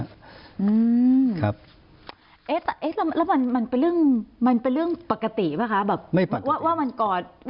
เนี่ยแล้วมันเปลื้องปกติป้ะคะว่ามันกอด